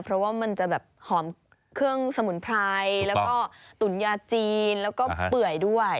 เพราะว่ามันจะแบบหอมเครื่องสมุนไพรแล้วก็ตุ๋นยาจีนแล้วก็เปื่อยด้วย